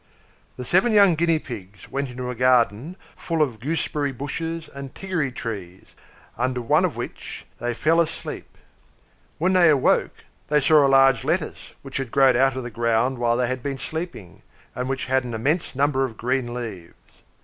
The seven young Guinea Pigs went into a garden full of goose berry bushes and tiggory trees, under one of which they fell asleep. When they awoke, they saw a large lettuce, which had grown out of the ground while they had been sleeping, and which had an immense number of green leaves.